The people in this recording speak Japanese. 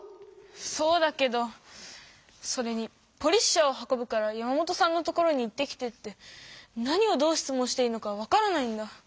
そうだけどそれに「ポリッシャーを運ぶから山本さんの所に行ってきて」って何をどう質問していいのか分からないんだ。